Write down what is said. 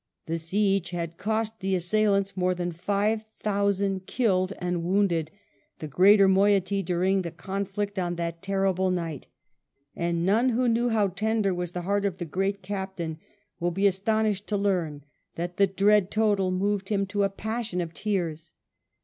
The siege had cost the assailants more than five thousand killed and wounded, the greater moiety during the conflict on that terrible night ; and none who know how VII FRUITS OF THE WINTER CAMPAIGN i6i tender was the heart of the Great Captain will be astonished to leam that the dread total moved him to a passion of tears.